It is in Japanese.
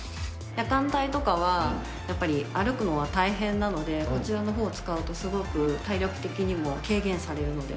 夜間帯とかはやっぱり歩くのは大変なので、こちらのほうを使うと、すごく体力的にも軽減されるので。